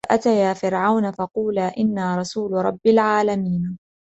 فأتيا فرعون فقولا إنا رسول رب العالمين